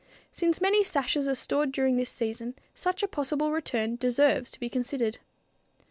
Since many sashes are stored during this season, such a possible return deserves to be considered.